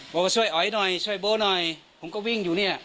บอกว่าช่วยอ๋อยหน่อยช่วยโบหน่อยผมก็วิ่งอยู่เนี่ย